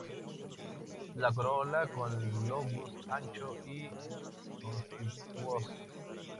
La corola con lóbulos anchos y conspicuos.